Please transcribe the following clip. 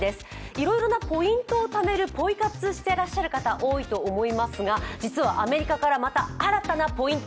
いろいろなポイントをためるポイ活、してらっしゃる方が多いと思うんですが実はアメリカからまた新たなポイント